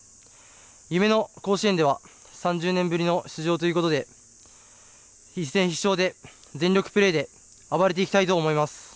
夢の甲子園では３０年ぶりの出場ということで一戦必勝で全力プレーで暴れていきたいと思います。